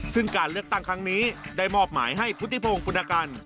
ซึ่งการเลือกตั้งครั้งนี้ได้มอบหมายให้พุทธิพงศ์ปุณกัน